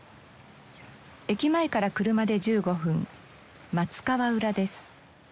駅前から車で１５分松川浦です。